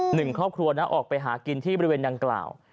หนึ่งครอบครัวนะออกไปหากินที่บริเวณดังกล่าว